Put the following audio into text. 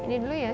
ini dulu ya chef